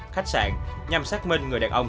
khách sạn nhằm xác minh người đàn ông